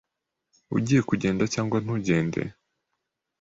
Ugiye kugenda cyangwa ntugende?